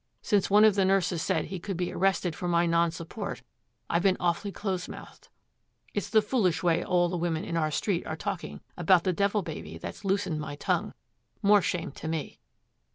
Since one of the nurses said he could be arrested for my nonsupport, I've been awfully close mouthed. It's the foolish way all the women in our street are talking about the Devil Baby that's loosened my tongue more shame to me.'